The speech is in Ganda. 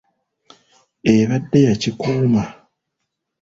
Ebadde ya kikuuma.